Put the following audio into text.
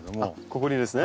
ここにですね。